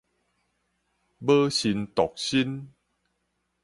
母身獨身